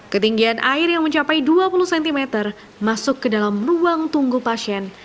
ketinggian air yang mencapai dua puluh cm masuk ke dalam ruang tunggu pasien